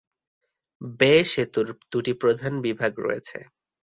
বে সেতুর দুটি প্রধান বিভাগ রয়েছে।